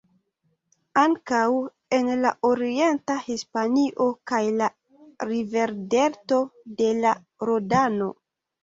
Ankaŭ en la orienta Hispanio kaj la riverdelto de la Rodano.